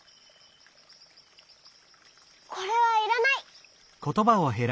これはいらない。